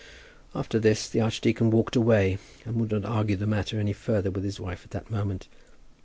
After this the archdeacon walked away, and would not argue the matter any further with his wife at that moment.